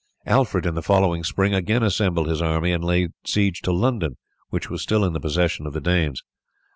Alfred in the following spring again assembled his army and laid siege to London, which was still in the possession of the Danes.